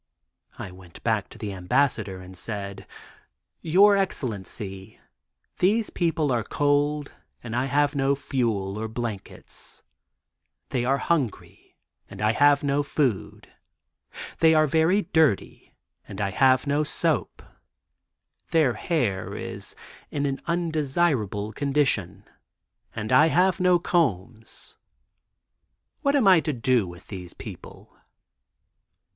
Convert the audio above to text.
I went back to the Ambassador and said: 'Your Excellency, those people are cold and I have no fuel or blankets; they are hungry, and I have no food; they are very dirty, and I have no soap; their hair is in an undesirable condition and I have no combs. What am I to do with these people?